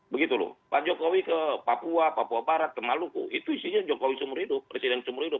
begitu loh pak jokowi ke papua papua barat ke maluku itu isinya jokowi seumur hidup presiden seumur hidup